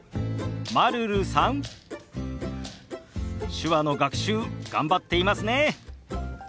手話の学習頑張っていますね。